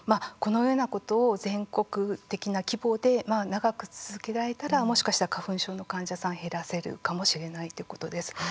このようなことを全国的な規模で長く続けられたらもしかしたら花粉症の患者さんを減らせるかもしれないということです。